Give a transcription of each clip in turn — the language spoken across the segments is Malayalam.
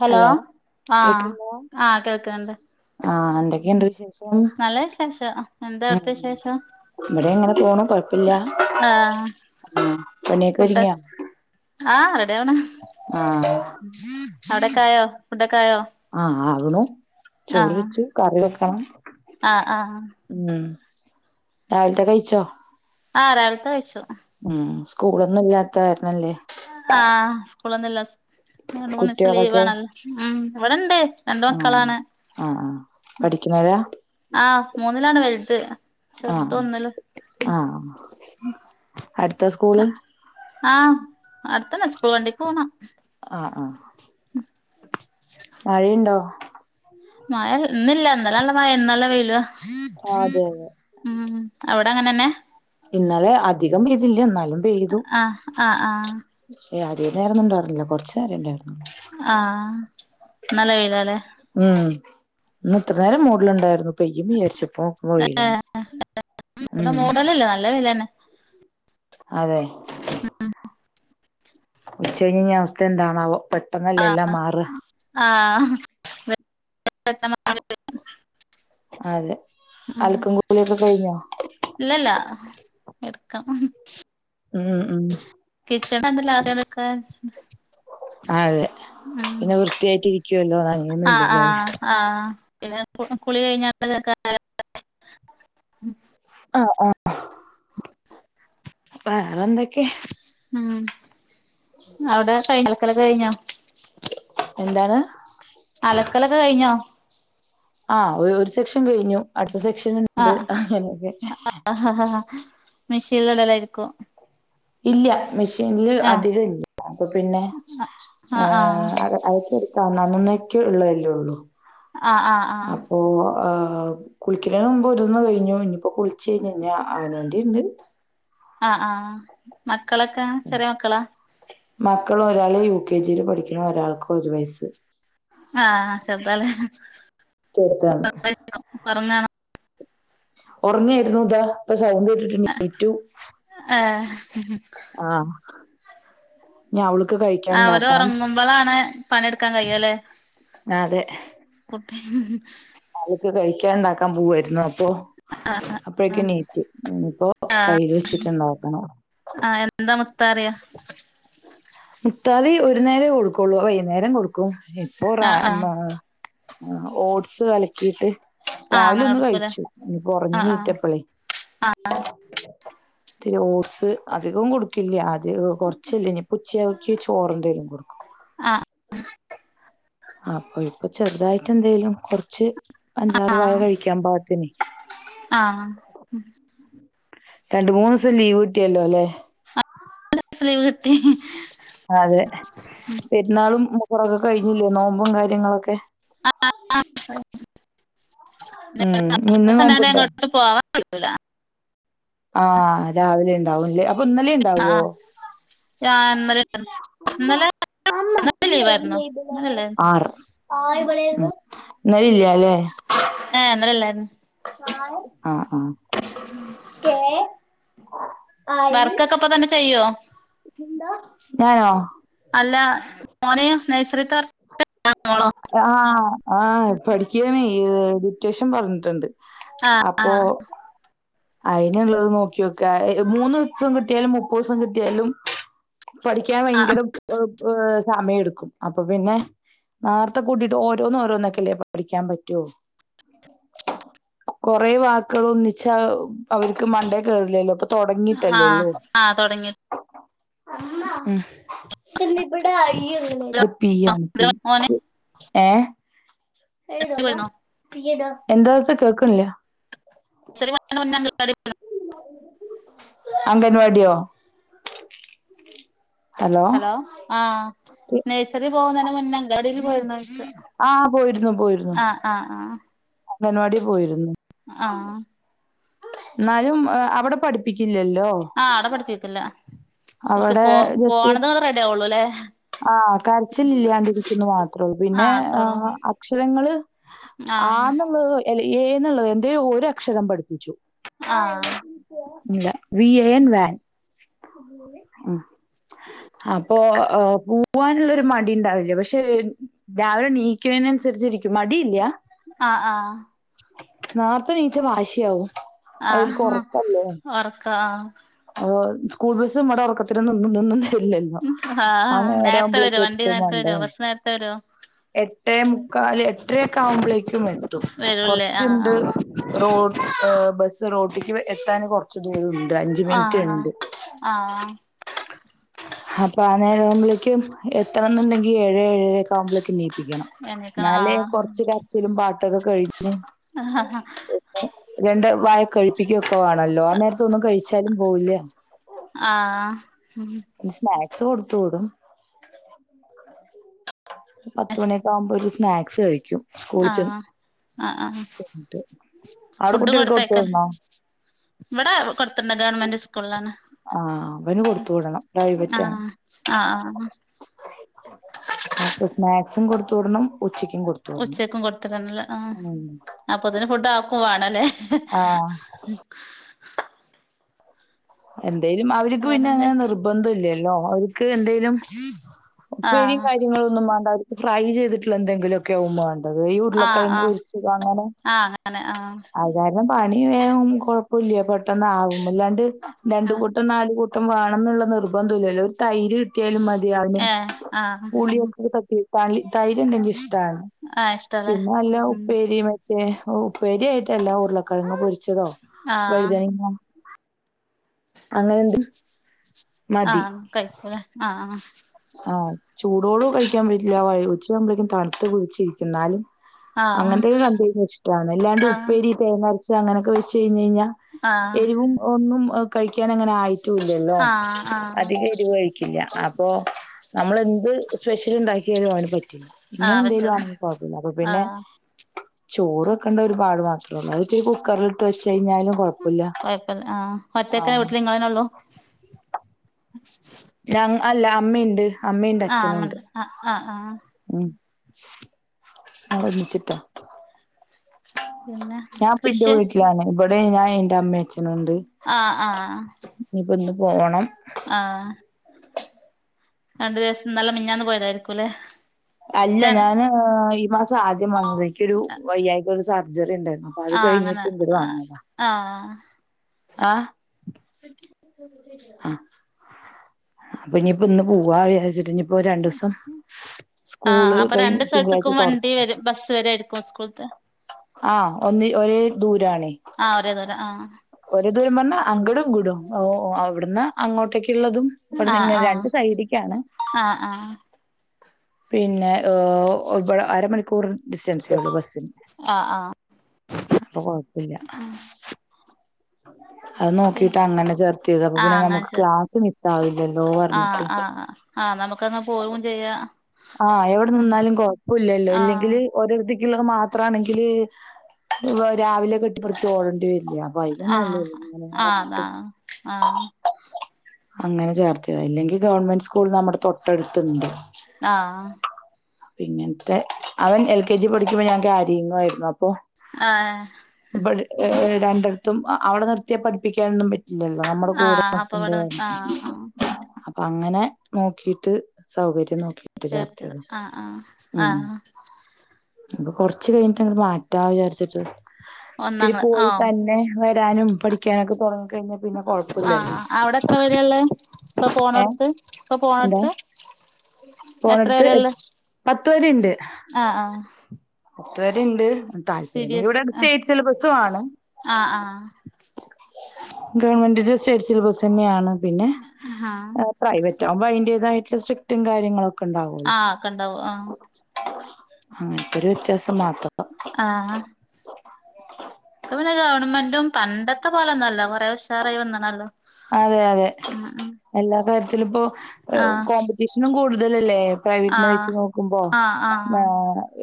ഹലോ ആഹ് കേക്കണ്ടോ ആഹ് കേൾക്കണ്ട് ആഹ് എന്തൊക്കെയുണ്ട് വിശേഷം [unintelligible] ഉം വിശേഷം ഇവിടെ അങ്ങനെ പോണു കൊഴപ്പില്ല ആഹ് ആഹ് പണിയൊക്കെ ഒരുങ്ങിയോ ആ റെഡിയാവണ് ആഹ് അവിടൊക്കെയായോ ഫുഡോക്കെ ആയോ ആഹ് ആവണു ചോറ് ആഹ് വെച്ചു കറി വെക്കണം ആഹ് ആഹ് ഉം രാവിലത്തെ കഴിച്ചോ ആഹ് രാവിലത്തെ കഴിച്ചു. ഉം സ്കൂളൊന്നും ഇല്ലാത്ത കാരണം ല്ലേ ആഹ് സ്കൂളൊന്നുല്ല രണ്ട് മൂന്ന് ദിവസം ലീവ് കുട്ടികളൊക്കെ ആണ് ഉം ഇവിടോണ്ട് രണ്ട് ആഹ് മക്കളാണ് ആഹ് ആഹ് പഠിക്കുന്നവരാ? ആഹ് മൂന്നിലാണ് വലുത് ചെറുത് ആഹ് ഒന്നില് ആ ഹ് അടുത്താ സ്കൂള്? ആഹ് അടുത്തന്നേ സ്കൂൾ വണ്ടിക്ക് പോണം. ആഹ് ആഹ് മഴയുണ്ടോ? മഴ ഇന്ന്ല്ല ഇന്നലേ നല്ല മഴ ഇന്ന് നല്ല വെയില ആഹ് അതെ അതെ ഉം അവിടങ്ങനെ തന്നെ? ഇന്നലെ അധികം പെയ്തില്ല ഇന്നാലും ആഹ് ആ ഹ്ആഹ് ഏയ്യ് അധിക നേരൊന്നൊണ്ടായിരുന്നില്ല കൊറച്ചു നേരം ഉണ്ടായിരുന്നു ആഹ് ഇന്ന് നല്ല വെയിലാല്ലേ ഉം ഇന്ന് ഇത്ര നേരം മൂഡിലണ്ടായിരുന്നു പെയ്യും വിചാരിച്ചപ്പ വെയിലാണ് ആഹ് ഇവിടെ ഉം മൂഡലല്ലേ നല്ല വെയില് തന്നെ അതെ ഉച്ച കഴിഞ് കഴിഞ്ഞാൽ അവസ്ഥ എന്താണാവൊ പെട്ടെന്നല്ലെ ആഹ് എല്ലാം മാറ ആഹ് [inaudible] അതെ ഉം അൽക്കും കുളിയൊക്കെ കഴിഞ്ഞോ ഇല്ലല്ല എടുക്കണം ഉം ഉം കിച്ചൻ [unintelligible] ആദ്യം എടുക്കാ അതെ ഉം പിന്നെ വൃത്തിയായിട്ട് ഇരിക്കുവല്ലോ അങ്ങയൊന്നും ആഹ് ഇല്ലല്ലോ അല്ലെ ആഹ് ആഹ് പിന്നെ കുളി കഴിഞ്ഞാൽ [unintelligible] ആഹ് ആഹ് ആഹ് വേറെ എന്തൊക്കെ ഉം അവിടെ കഴിഞ്ഞോ അലലൊക്കെ കഴിഞ്ഞോ എന്താണ് അലക്കലൊക്കെ കഴിഞ്ഞോ ആഹ് ഒരു സെക്ഷൻ കഴിഞ്ഞു അടുത്ത സെക്ഷൻ ഉണ്ട് അങ്ങനെയൊക്കെ ആഹ് മെഷീനിൽ ഇടലായിരിക്കും ഇല്ല മെഷീനില് ആഹ് അധികംല്ലപ്പൊ അപ്പൊ പിന്നെ ആഹ് ആഹ് അതൊക്കെ അന്നന്നേക്ക് ഉള്ളതല്ലേ ഒള്ളു ആഹ് ആഹ് ആഹ് അപ്പോ ഏ കുളിക്കളേന് മുമ്പ് ഇതൊന്ന് കഴിഞ്ഞു ഇനിപ്പൊ കുളിച്ച് കഴിഞ് ഇള്ള അവനാന്റെ ഇണ്ട് ആഹ് ആഹ് മക്കളൊക്കെ ചെറിയ മക്കളാ മക്കള് ഒരാള് യു കെ ജിൽ പഠിക്കുന്നു ഒരാൾക്ക് ഒരു വയസ് ആഹ് ചെറുതാല്ലേ ചെറുതാണ് [unintelligible] ഒറങ്ങണോ ഒറങ്ങായിരുന്നു ഇതാ ഇപ്പൊ സൗണ്ട് കേട്ടിട്ട് എണീറ്റു ആഹ് ആഹ് ഞാ അവൾക്ക് കഴിക്കാൻ അവരൊറങ്ങുമ്പളാണ് പണിട് ക്കാൻ കഴിയല്ലേ ആതെ ആൾക്ക് കഴിക്കാൻണ്ടാക്കാൻ പോവ്വായിരുന്നൊ അപ്പോ അപ്പോഴൊക്കും നീറ്റു. ഇനിയിപ്പോ കയ്യിൽ വെച്ചിട്ട് ണ്ടാക്കണം ആഹ് എന്താ മുത്താറിയ മുത്താറി ഒരു നേരേ കൊടുക്കുള്ളൂ, വൈന്നേരം കൊടുക്കും ഇപ്പൊ റേ ആഹ് ആഹ് മാ ആഹ് ഓട്സ് കലക്കിയിട്ട് ആഹ് അങ്ങനെ രാവിലൊന്ന് കൊടുക്കൂലേ കഴിച്ചു, ഇനി പ്പൊ ഒറങ്ങി ആഹ് ആഹ് നീറ്റപ്പളെയ് ഇത്തിരി ഓട്സ് അധികം കൊടുക്കില്ല ആദ്യൊക്കെ കൊർ ഇനിപ്പോ ഉച്ചയാക്ക് ചോറന്തേലും കൊടുക്കും ആഹ് ആഹ് അപ്പൊ ഇപ്പൊ ചെർതായിട്ടെന്തേലും കൊർച്ച് അഞ്ചാറ് വായ ആഹ് കഴിക്കാൻ പാകത്തിനെയ് ആഹ് രണ്ട് മൂന്ന്സം ലീവ് കിട്ടിയല്ലോ ലേ സ ലീവ് കിട്ടി അതെ പെര്ന്നാളും മുഹറക്കെ കഴിഞ്ഞില്ലേ നോമ്പും കാര്യങ്ങളൊക്കെ ആ [unintelligible] ഉം ഇന്ന് നോമ്പുണ്ടോ അങ്ങോട്ട് പോവാ കൊടുക്കൂല ആഹ് രാവിലെണ്ടാവും ല്ലേ അപ്പൊഇന്നലേ ണ്ടാവോ ന്നലെണ്ട് അമ്മ ആമ്മല്ലേ ഇന്നലെല്ലേ [inaudible] ന്നലില്യ ലേ ഏഹ് ന്നലെല്ലാരുന്നു ആഹ് ആഹ് കേ ഐ വർക്കൊക്കെ ഇപ്പൊ തന്നെ ചെയ്യോ എന്താ ഞാനോ അല്ല മോനെയാ നൈസറിതെ [unintelligible] മോളോ ആഹ് ആഹ് പഠിക്കുവാണേ ഡിറ്റേഷൻ പറഞ്ഞിട്ടുണ്ട് ആഹ് ആഹ് അയ്ന്ള്ളത് നോക്കി നോക്കാ മൂന്ന്സം കിട്ടിയാലും മുപ്പൂസം കിട്ടിയാലും പഠിക്കാൻ ആഹ് ആഹ് ഭയങ്കര ഹ് ഹ്.. സമയെടുക്കും അപ്പപിന്നെ നേർത്തെ കൂട്ടിട്ട് ഓരോന്നോരോന്നൊക്കെല്ലേ പഠിക്കാൻ പറ്റൂ കൊറേ വാക്ക്‌കളൊന്നിച്ച അവർക്ക് മണ്ടേ കേറില്ലല്ലോപ്പ ആഹ് തൊടങ്ങിട്ടല്ലള്ളൂ ആഹ് തൊടങ്ങി ഉം മോന് [unintelligible] [inaudible] പോയിരുന്നോ എന്താച്ച കേക്കുംല്ല [inaudible] ശരി [unintelligible] അംഗൻവാട്യൊ ഹലോ ആഹ് നേഴ്സറി പോകുന്നന്നെ മുന്നേ അങ്കവാടിൽ പോയിരുന്നോയ്ക്ക ആഹ് പോയിരുന്നു പോയിരുന്നു ആഹ് അങ്ങൻവാടി പോയിരുന്നു ആഹ് ന്നാലും അവിടെ പഠിപ്പിക്കില്ലല്ലോ ആ അടപഠിപ്പിക്ക്ല്ല, വക്ക് അവിടെ പോ പോണതെ റെഡി ആവുള്ളു ലേ ആഹ് കരച്ചിലില്യാണ്ടിരിക്കുന്ന് മാത്രേള്ളൂ പിന്നെ ആഹ് അക്ഷരങ്ങള് ആഹ് ആന്നുള്ള- ഏ എന്നുള്ളത് എന്ത ഒരു അക്ഷരം പഠിപ്പിച്ചു ആഹ് ല്ല വി എ എൻ വൻ അപ്പൊ പോവാനുള്ളരു മടി ഉണ്ടാവില്ലേ പക്ഷെ രാവിലെ നീക്കുന്നതിനനുസരിച്ചിരിക്കും മടിയില്ല ആഹ ആഹ നോത്തെ നീച്ച വാശിയാവും ആഹ അവർക്ക് ഉറക്കല്ലേ. ഉറക്ക ആഹ സ്കൂൾ ബസ്സും മ്മടെ ഉറക്കത്തി ന്ന് ന്ന് ത്തില്ലല്ലോ ആ ആഹ് നേരത്തെ വരോ നേരാവുമ്പളേക്ക് വണ്ടി എത്ത നേരത്തെ വരോ വണ്ടേ ബസ് നേരത്തെ വരോ എട്ടര മുക്കാൽ എട്ടരയക്ക ആവുമ്പോഴേക്കും എത്തും വരൂല്ലേ ആഹ് കൊറച്ചുണ്ട് റോഡ ബസ്സ് റോട്ടിക്ക് എത്താൻ കൊറച്ച് ദൂരംണ്ട് അഞ്ച മിനിറ്റ് ഉണ്ട് ആഹ അപ്പൊ അനേരം ആവുമ്പോളേക്കും എത്തണം എന്നുണ്ടെങ്കി ഏഴേ ഏഴ ഒക്കെ ആവുമ്പോഴേക്കും നീ ക്കണം എണീക്കണം എന്നാലേ ആഹ് കൊറച്ച കാച്ചിലും പാട്ടൊക്കെ കഴിഞ്ഞ് ആ ആ ആാ രണ്ട് വായ കഴിപ്പിക്കൊക്കെ ആണല്ലോ ആ നേരത്തൊന്നും കഴിച്ചാലും പോവില്ല ആഹ പി സ്നാക്സ് കൊടുത്ത വിടും പത്തുമണിയൊക്കെ ആവുമ്പോ ഒരു ഒരു സ്നാക്സ് കഴിക്കും സ്കൂള് ചേന്ന്ട്ട ആഹ് ആഹ് ആഹ് ആടെ ഫുഡും കുട്ടികൾക്ക് കൊടുത്തു കൊടുത്തയക്കൽ തന്നോ ഇവിടെ കൊടുത്തിണ്ട് ഗവൺമെന്റ് സ്കൂളാണ് ആഹ് അവന് കൊടുത്തു വിടണം പ്രൈവറ്റാണ് ആഹ ആഹ ആ അപ്പൊ സ്നാക്സും കൊടുത്ത വിടണം ഉച്ചക്ക് ഉച്ചക്കും കൊട് ത്ത് ടണല്ല ആ ഉം അപ്പൊതിന് ഫുഡാക്കും വേണംല്ലേ ആഹ ഉം എന്തേലും അവർക്ക് വേറെന്താ പിന്നങ്ങനെ നിർബന്ധല്ല്യല്ലോ അവർക്ക് എന്തേലും ഉപ്പേരിം ആഹ് കാര്യങ്ങളൊന്നും മാണ്ട അവര്ക്ക് ഫ്രൈ ചെയ്തിട്ട്ള്ളന്തെങ്കിലൊക്കെവുംമാണ്ട അത് ഈ ആഹ് ഉരുളക്കിഴങ്ങ് ആഹ് പൊരിച്ചത് അങ്ങനെ ആഹ് അങ്ങനെ ആഹ് വേകം പണി വേകം കൊഴപ്പൂല്ല്യാ പെട്ടന്നാവും അല്ലാണ്ട് രണ്ട് ആഹ് കൂട്ട ട്ടം നാല് കൂട്ടം വേണംന്നുള്ള നിർബന്ധംല്ലൂല്ലോ ഒരു തൈര്ട്ട് കൂട്ട്യാലും മതി ഏഹ് ആഹ് പുളിയൊക്ക തട്ടി തൈര്ണ്ടെങ്കി ഇഷ്ട്ടാണ് ആഹ് ഇഷ്ടല്ലേ പിന്നെ വല്ല ഉം ഉപ്പേരി മ ക്കെ ഉപ്പേര്യായിട്ടല്ല ഉരുളക്കിഴങ്ങ് പൊരിച്ചതോ ആഹ് വഴുതനങ്ങ അങ്ങനെന്തേ ആഹ് കയ്ക്കൂലേ ആഹ് ആഹ ചൂടോടുകഴിക്കാൻ പറ്റില്ല ഉച്ചയാവ്മ്പതേനും തണ്ത്ത് പുളിച്ചിരിക്കുംന്നാലും ആഹ് ആഹ് അങ്ങനത്തെക്കെ കണ്ടഴിഞാ ഇഷ്ടാണ് അല്ലാണ്ട് ഉപ്പേരി തേങ്ങരച്ച അങ്ങനക്കെ വെച്ചഴിഞഞ്ഞാ.. ആഹ് എരിവും ഒന്നും അ കഴിക്കാനങ്ങനായിട്ടുല്ലല്ലോ ആഹ് ആഹ് അധികം എരിവ് കഴിക്ക ക്കില്ല അപ്പൊ നമ്മളെന്ത് സ്പെഷ്യല്ണ്ടാക്കിയാലും അവന് പറ്റില്ല ആഹ് പറ്റും ഇങ്ങനെന്തേലുണങ്കില് കൊഴപ്പല്ല അപ്പപിന്നെ ആഹ് ചോറ് വെക്കണ്ട ഒരുപാട് മാത്രോള്ളു അത് ത്തിരി കുക്കറിലി ട്ട് വെച്ചഴിഞാലും കൊയപ്പല്ല ആഹ ഒറ്റക്കാ ആഹ് വീട്ടില് ഇങ്ങളെന്നെയൊള്ളു ഞങ്ങ് അല്ല അമ്മ ഇണ്ട്. ആഹ്, അമ്മണ്ട് ആഹ്, ആഹ്. ഉം, ഓള് ഒരുമിച്ചിട്ട പിന്നെ ഞാൻ ഇപ്പ എന്റെ കൃഷി വീട്ടിലാണ്. ഇബടെ ഞാൻ എന്റെ അമ്മ അച്ഛനുണ്ട്. ആഹ്, ആഹ് ഇഞ്ഞ് ഇപ്പ ഇന്ന് പോണം. ആഹ് രണ്ടു ദിവസം ഇന്നലെ മിഞ്ഞാന്ന് പോയതായിരിക്കുംല്ലേ അല്ല രൺ ഞാന് ഈ മാസം ആദ്യം വന്നതേ ഇക്കൊരു വയ്യായിക ഒരു സർജറി ഇണ്ടായിര്ന്നു. അപ്പ അത് ആഹ് അങ്ങനെ കഴിഞ്ഞിട്ട് ഇവര് ആഹ് വന്നതാ. ആഹ് ആഹ് ആഹ്, അപ്പ ഇഞ്ഞ് ഇപ്പ പോവാ വിചാരിച്ചിട്ട് ഇഞ്ഞ് ഒര് രണ്ടൂസം ആഹ് സ്കൂള് അപ്പൊ കഴിഞ്ഞ് രണ്ട് തിങ്കാളാഴ്ച സ്ഥലത്തേക്കും വണ്ടി തൊറക്കും. വരും ബസ്സ് വെരെ എട് [unintelligible] ക്കൂൾത്തെ ആഹ്, ഒന്ന് ഒരേ ദൂരാണ്. ആ, അവര് ഏതായാലു ആഹ്. ഒര് ദൂരം പറഞ്ഞ അങ്കടുംഇങ്കടും ഓഹ്, ഓഹ് അവ്ട്ന്ന് അങ്ങോട്ടെക്ക് ഇള്ളതും ആഹ് ഇവ്ട്ന്ന്ങ്ങനെ രണ്ട് സൈഡിക്കാണ്. ആഹ്, ആഹ്. പിന്നെ ഓഹ്, ഇബടെ അരമണിക്കൂർ ഡിസ്റ്റൻസെയൊള്ളു ബസ്സിന് ആഹ് ആഹ് ആഹ് അപ്പ കൊഴപ്പല്ല. ആഹ് അത് നോക്കിട്ട് അന്ന് തന്നെ ചേർത്തിയത്. അപ്പ പിന്നെ അങ്ങനെ നമ്മക്ക് ശരി ക്ലാസ് മിസ്സാവില്ലല്ലോ. ആഹ്, പറഞ്ഞിട്ട്. ആഹ്, ആഹ്, ആഹ് ഇന്നാ നമുക്ക് ഇന്ന പോവും ചെയ്യ. ആ ഇയ്യ് ഇവിടെ നിന്നാലും കൊഴപ്പോല്ലല്ലോ ആഹ് ഇല്ലെങ്കില് ഓരെട്ത്തിക്കിള്ളത് മാത്രാണെങ്കില് രാവിലെ കെട്ടിപ്പെറ്ക്കി ഓടേണ്ടി വരില്ല. വൈക് ആഹ് നല്ലത് ഇന്നലെ ഇങ്ങനെ ആഹ് പറഞ്ഞിട്ട്. അതാ ആഹ് അങ്ങനെചേർത്തിയത, ഇല്ലെങ്കിൽ ഗവൺമെന്റ് സ്കൂൾ നമ്മടെ തൊട്ടടുത്ത്ണ്ട്. ആഹ്, ആഹ് പിന്നെ ഇങ്ങൻത്തെ അവൻ എൽ കെ ജി പഠിക്കുമ്പോ ഞാൻ ക്യാരിങ്ങു ആയിര്ന്നു. അപ്പൊ ആഹ് ഇബട് ഏഹ്, ഏഹ് രണ്ട്ട്ത്തും അവ്ടെ നിർത്തിയ പഠ്പ്പിക്കാനൊന്നും പറ്റ് ല്ലല്ലോ, നമ്മള് കൂടെ ആഹ് അപ്പൊ നിർത്ത്മ്പോ ഇവിടെ നി വേണ്ടേ ആഹ് ആഹ് അപ്പ അപ്പ അങ്ങനെ നോക്കീട്ട് സൗകര്യം നോക്കി ചേർത്തിയത്. ആഹ്, ആഹ്, ആണോ? ഇത് കൊർച്ച് കഴിഞ്ഞിട്ട് അങ്ങട്ട് മാറ്റാ വിചാര്ച്ച്ട്ട് ഒന്നാം ഇത്തിരി ക്ലാ പോയി ആഹ് തന്നെ വരാനും പഠിക്കാനൊക്കെ പോണം. ആഹ്, ആഹ് അവ്ടെ എത്രവരേ ഇള്ളെ, ഇപ്പ ഏഹ് പോണോട്ത്ത്, ഇപ്പ പോണോട്ത്ത്? പോണോട്ത്ത് പത്ത് വരേ ഇണ്ട്. ആഹ് ആഹ് പത്ത് വരേ ഇണ്ട്. സി താല്പര്യം ബി ഇണ്ടെങ്കി എസ് ഇവിടെ ആഹ് സ്റ്റേറ്റ്സിലബസ്സു ആണ്. ആഹ് ഗവൺമെന്റിന്റെ സ്റ്റേസ്സിലബസ്സെന്നെയാണ്. പിന്നെ, ആഹ് ആഹ് പ്രൈവറ്റാവുമ്പോ അയിന്റതായ്റ്റ്ള്ള സ്ട്രിക്റ്റും കാര്യങ്ങളൊക്കെ ഇണ്ടാവ് അല്ലോ. ആഹ് ഒക്കെ ഉണ്ടാവും ആഹ് അങ്ങൻത്തൊര് വ്യത്യാസം മാത്രം. ആഹ്, ആഹ് [inaudible] ഇപ്പം പിന്നെ ഗവൺമെന്റും പണ്ടത്തെ പോലെ ഒന്നും അല്ല കൊറെ ഉഷാ ഉഷാറായി വന്ന്ണല്ലോ ഉം ഉം എല്ലാകാര്യത്തിലും ഇപ്പോ ആഹ് കോമ്പറ്റീഷനും കൂട്തെൽ അല്ലെ? പ്രൈവറ്റിനെ ആഹ് വെച്ച് നോക്കുമ്പോ ആഹ് ആഹ്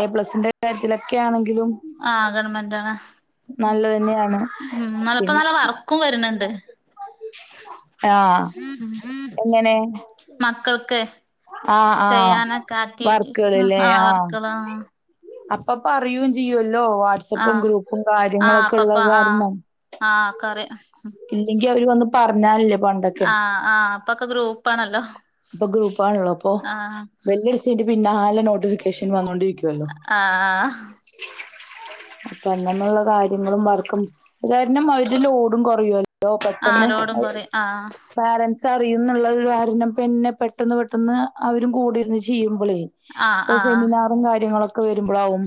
എ പ്ലസിന്റെ കാര്യത്തിലൊക്കെ ആണെങ്കിലും ആഹ് ഗവൺമെന്റാണ്. ഉം നല്ലത് തന്നെയാണ്. ഉം ഇന്നാലും ഇപ്പം പിന്നെ നല്ല വർക്കും വെര്ണ് ഇണ്ട് ആഹ് എങ്ങനെ? മക്കൾക്ക് ആഹ് ആഹ് ചെയ്യാനൊക്കെ ആക്ടിവിറ്റീസ് ആഹ് വർക്കെൾ ആഹ് അപ്പം പറയും ചെയ്യോല്ലോ ആ വാട്സപ്പും ഗ്രൂപ്പും കാര്യങ്ങൾ ഒക്കെ ഇള്ളെത് കാര്ണം ആഹ് ഒക്കെ അറിയാ ഇല്ലെങ്കി അവര് വന്ന് പർഞ്ഞാൽ അല്ലെ പണ്ട് ആഹ് ആഹ് ഇപ്പൊ ഒക്കെ ഗ്രൂപ്പാണല്ലോ ഇപ്പൊ ഗ്രൂപ്പ് ആണല്ലോ ഇപ്പൊ ആ ബെല്ല് അടിച്ചെയിന്റെ പിന്നാലെ നോട്ടിഫിക്കേഷെൻ വന്നോണ്ട് ഇരി അ ആഹ് [inaudible] അപ്പം അന്നന്നുള്ള കാര്യങ്ങളും വർക്കും അത് കാരണം അവരെ ലോടും കൊറയോ ലോ ആ പെട്ടന്ന് ലോടും അവര് കൊറേ ആ പാരെൻസ് അറിയുംന്ന് ഇള്ളൊരു കാരണം പിന്നെ പെട്ടെന്ന് പെട്ടെന്ന് അവരും കൂടിയിരുന്ന് ചെയ്യുമ്പളെയ് ആ ഇപ്പം ആ സെമിനാറും കാര്യങ്ങളൊക്കെ വെര്മ്പളാവും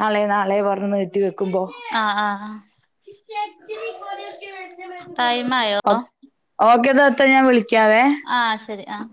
നാളെ നാളെ പർണ് നീട്ടി വെ ക്കുമ്പോ ആ ആ ടൈം ആയോ ഓക്കെ താത്ത ഞാൻ വിളിക്കാവേ ആഹ് ശരി ആഹ്